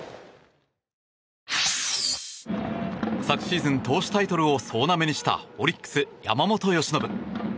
昨シーズン投手タイトルを総なめにしたオリックス、山本由伸。